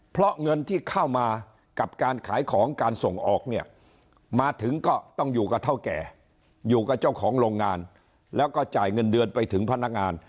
เพราะเงินที่เข้ามากับการขายของการส่งออกเนี่ยมาถึงก็ต้องอยู่กับเท่าแก่อยู่กับเจ้าของโรงงานแล้วก็จ่ายเงินเดือนไปถึงพนักงาน